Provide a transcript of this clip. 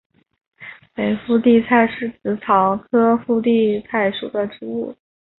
北附地菜是紫草科附地菜属的植物。